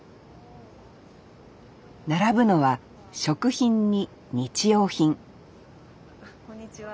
並ぶのは食品に日用品あこんにちは。